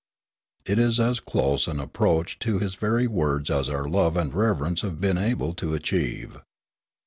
It is as close an approach to his very words as our love and reverence have been able to achieve.